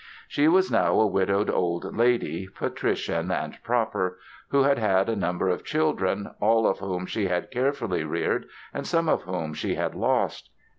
She was now a widowed old lady, patrician and proper, who had had a number of children, all of whom she had carefully reared and some of whom she had lost.